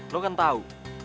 lo kan tau